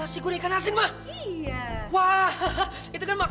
aku mau ngomong sesuatu sama kamu